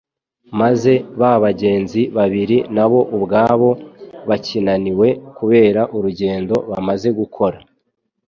Maze ba bagenzi babiri na bo ubwabo bakinaniwe kubera urugendo bamaze gukora,